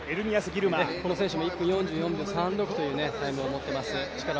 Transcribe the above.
この選手も１分４４秒３６というタイムを持っています。